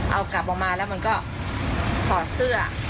เอากลับออกมาแล้วมันก็ถอดเสื้อ